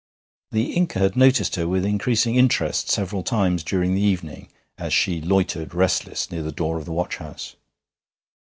The Inca had noticed her with increasing interest several times during the evening as she loitered restless near the door of the watch house.